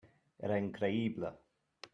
Era increïble.